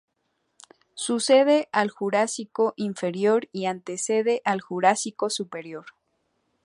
Sucede al Jurásico Inferior y antecede al Jurásico Superior.